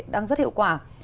đang rất hiệu quả